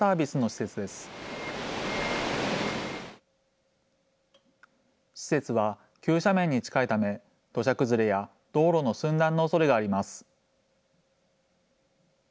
施設は急斜面に近いため、土砂崩れや道路の寸断のおそれがあります。